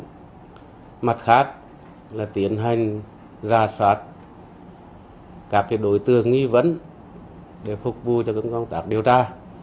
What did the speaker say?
các mặt khác là tiến hành ra soát các đối tượng nghi vấn để phục vụ cho công tác điều tra